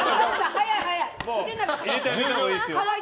早い、早い！